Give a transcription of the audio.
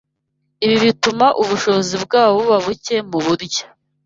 Ibi bituma ubushobozi bwabo buba buke mu buryo